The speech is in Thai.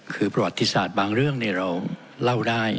คือประวัติศาสตร์บางเรื่องเราเล่าได้